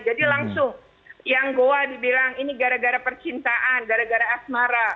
jadi langsung yang goa dibilang ini gara gara percintaan gara gara asmara